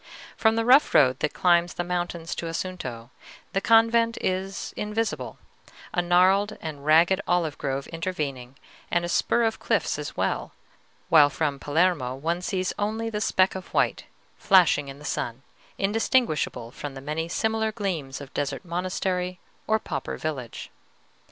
From the rough road that climbs the mountains to Assunto, the convent is invisible, a gnarled and ragged olive grove intervening, and a spur of cliffs as well, while from Palermo one sees only the speck of white, flashing in the sun, indistinguishable from the many similar gleams of desert monastery or pauper village.